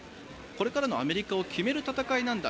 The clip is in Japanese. これからのアメリカを決める戦いなんだ